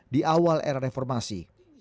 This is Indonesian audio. di awal era reformasi